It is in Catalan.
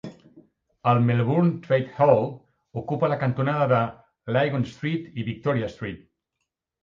El Melbourne Trades Hall ocupa la cantonada de Lygon Street i Victoria Street.